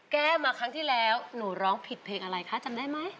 แก้วมาครั้งที่แล้วหนูร้องผิดเพลงอะไรคะจำได้ไหม